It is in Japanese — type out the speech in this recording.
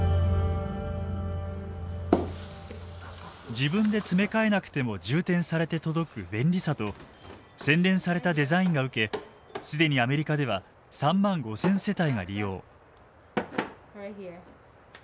自分で詰め替えなくても充填されて届く便利さと洗練されたデザインが受け既にアメリカでは３万５，０００世帯が利用。